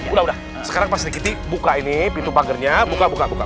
udah udah sekarang pasri kitty buka ini pintu bagernya buka buka buka